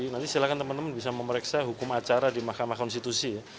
nanti silahkan teman teman bisa memeriksa hukum acara di mahkamah konstitusi ya